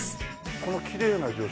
このきれいな女性は誰？